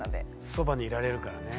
そばにいられるからね。